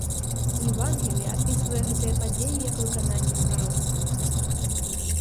Евангелле апісвае гэтыя падзеі як выкананне прароцтва.